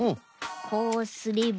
こうすれば。